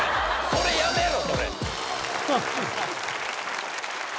それやめろ！